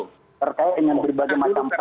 karena tadi anda bicara saya dengar